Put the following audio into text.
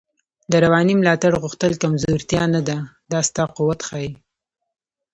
د روانی ملاتړ غوښتل کمزوتیا نده، دا ستا قوت ښایی